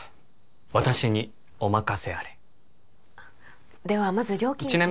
私にお任せあれではまず料金の説明